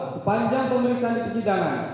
sepanjang pemulisan di persidangan